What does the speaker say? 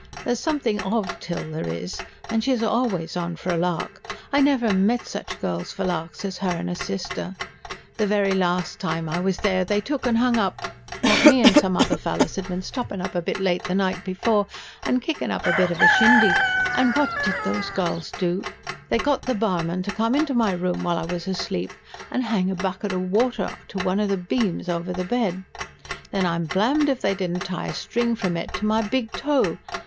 There's something OF Till there is, and she's always on for a lark. I never met such girls for larks as her and 'er sister. The very last time I was there, they took and hung up ... me and some other fellers had been stoppin' up a bit late the night before, and kickin' up a bit of a shindy, and what did those girls do? They got the barman to come into my room while I was asleep, and hang a bucket o' water to one of the beams over the bed. Then I'm blamed if they didn't tie a string from it to my big toe!